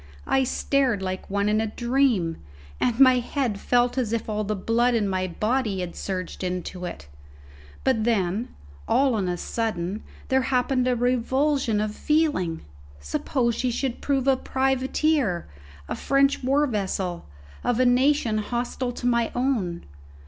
I stared like one in a dream, and my head felt as if all the blood in my body had surged into it. But then, all on a sudden, there happened a revulsion of feeling. Suppose she should prove a privateer a French war vessel of a nation hostile to my own?